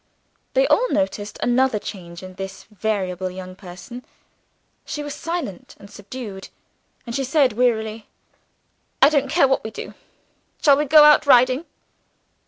They all noticed another change in this variable young person. She was silent and subdued; and she said wearily, "I don't care what we do shall we go out riding?"